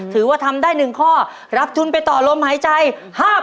ถือว่าทำได้๑ข้อรับทุนไปต่อลมหายใจ๕๐๐บาท